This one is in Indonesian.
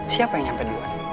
siapa yang nyampe duluan